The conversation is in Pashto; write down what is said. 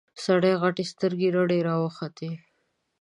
سړي غتې سترګې رډې راوختې.